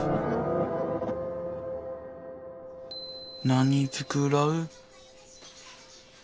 何作ろう。